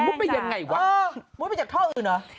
มันมุดไปยังไงวะมุดไปจากท่ออื่นหรอ